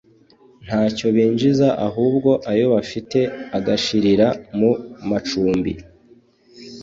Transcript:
ntacyo binjiza ahubwo ayo bafite agashirira mu macumbi